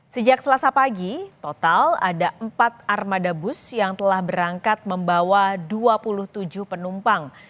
sejak selasa pagi total ada empat armada bus yang telah berangkat membawa dua puluh tujuh penumpang